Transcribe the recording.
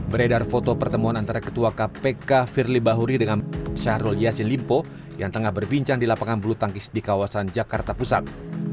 beredar foto pertemuan antara ketua kpk firly bahuri dengan syahrul yassin limpo yang tengah berbincang di lapangan bulu tangkis di kawasan jakarta pusat